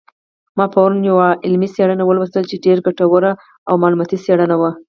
ما پرون یوه علمي څېړنه ولوستله چې ډېره ګټوره او معلوماتي څېړنه وه